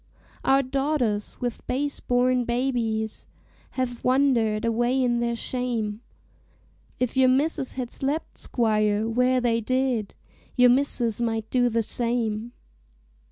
"Our daughters, with base born babies, Have wandered away in their shame; If your misses had slept, squire, where they did, Your misses might do the same.